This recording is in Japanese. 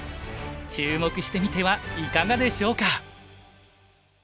注目してみてはいかがでしょうか。